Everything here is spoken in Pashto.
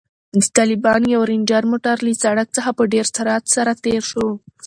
د طالبانو یو رنجر موټر له سړک څخه په ډېر سرعت سره تېر شو.